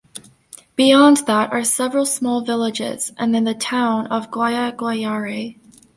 Beyond that are several small villages and then the town of Guayaguayare.